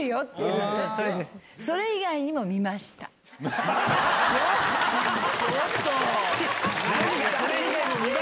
何が「それ以外にも見ました」だ！